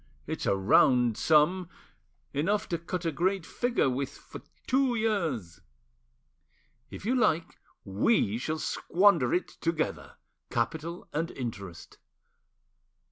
It's a round sum—enough to cut a great figure with for two years. If you like, we shall squander it together, capital and interest.